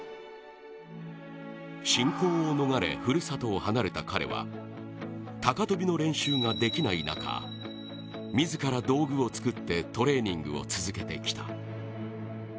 侵攻を逃れ、ふるさとを離れた彼は高跳の練習ができない中自ら道具を作ってトレーニングを続けてきた。